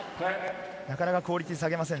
なかなかクオリティーを下げません。